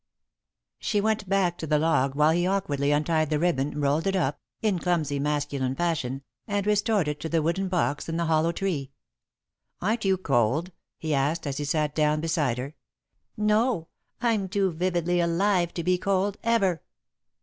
She went back to the log while he awkwardly untied the ribbon, rolled it up, in clumsy masculine fashion, and restored it to the wooden box in the hollow tree. "Aren't you cold?" he asked, as he sat down beside her. "No I'm too vividly alive to be cold, ever."